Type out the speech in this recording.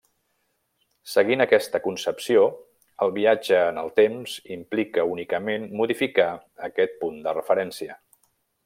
Seguint aquesta concepció, el viatge en el temps implica únicament modificar aquest punt de referència.